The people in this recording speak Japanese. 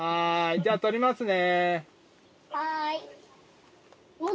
じゃあ、採りますね。